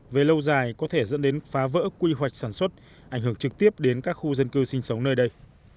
về lâu dài có thể dẫn đến phá vỡ quy hoạch sản xuất ảnh hưởng trực tiếp đến các khu dân cư sinh sống nơi đây